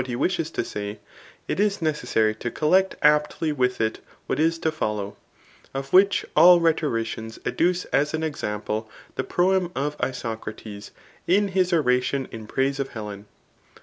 he wishes to say, it is necessary to collect aptly with it what is to follow ; of which all rhetoricians adduce as an example, the proem of Isoc rates in his o^ ation in praise of Helen.